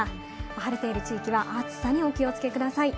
晴れている地域は暑さにお気をつけください。